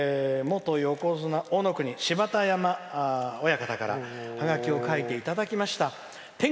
元横綱、大乃国芝田山親方からハガキをいただきました。